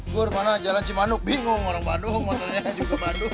gur mana jalan cimanuk bingung orang bandung motornya juga bandung